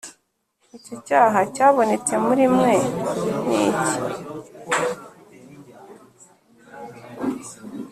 Icyo cyaha cyabonetse muri mwe ni icy iki